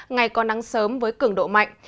ngày có nắng sớm với cứng độ mạnh